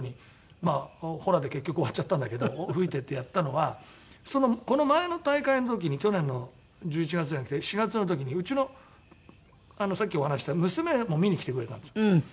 まあほらで結局終わっちゃったんだけど吹いてってやったのはこの前の大会の時に去年の１１月じゃなくて４月の時にうちのさっきお話しした娘も見に来てくれたんです。